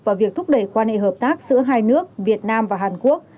vào việc thúc đẩy quan hệ hợp tác giữa hai nước việt nam và hàn quốc